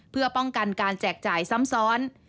เพื่อป้องกันการแจกจ่ายซ้ำซ้อน